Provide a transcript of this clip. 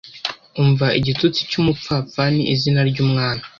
Umva igitutsi cyumupfapfani izina ryumwami